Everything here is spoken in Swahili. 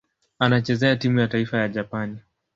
Anachezea timu ya taifa ya Japani.